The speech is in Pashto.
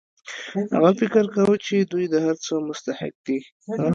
هغه فکر کاوه چې دوی د هر څه مستحق دي